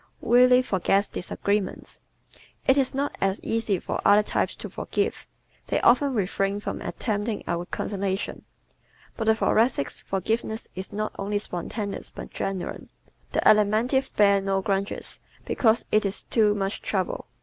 Really Forgets Disagreements ¶ It is not as easy for other types to forgive; they often refrain from attempting a reconciliation. But the Thoracic's forgiveness is not only spontaneous but genuine. The Alimentive bears no grudges because it is too much trouble.